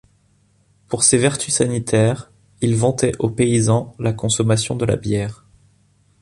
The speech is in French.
Pour ses vertus sanitaires, il vantait aux paysans la consommation de la bière.